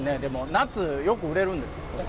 夏、よく売れるんですか？